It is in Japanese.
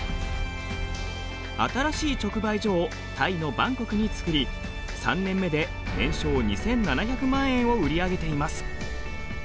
新しい直売所をタイのバンコクに作り３年目で年商２，７００万円を売り上げています。